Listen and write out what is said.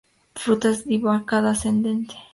Frutas divaricada-ascendente.